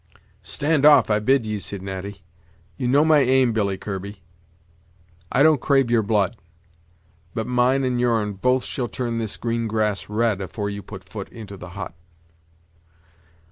"Stand off, I bid ye," said Natty; "you know my aim, Billy Kirby; I don't crave your blood, but mine and your'n both shall turn this green grass red, afore you put foot into the hut."